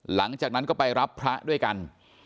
หลังจากนั้นก็ไปรับพระด้วยกัน